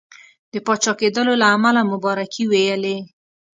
د پاچا کېدلو له امله مبارکي ویلې.